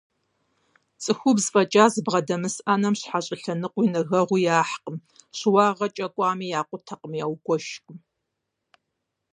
ЦӀыхубз фӀэкӀа зыбгъэдэмыс Ӏэнэм щхьэ щӀэлъэныкъуи, нэгэгъуи яхьыркъым, щыуагъэкӀэ кӀуами, якъутэркъым, ягуэшыркъым.